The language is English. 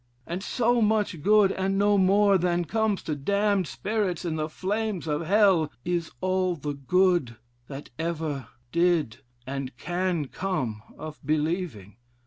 And so much good, and no more, than comes to damned spirits in the flames of Hell, is all the good that ever did and can come of believing.